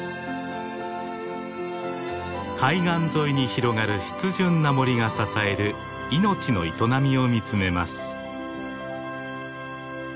海岸沿いに広がる湿潤な森が支える命の営みを見つめます。